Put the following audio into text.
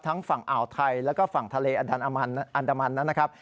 ฝั่งอ่าวไทยแล้วก็ฝั่งทะเลอันดามันนะครับ